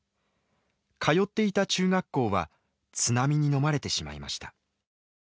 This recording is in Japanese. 通っていた中学校は津波にのまれてしまいました。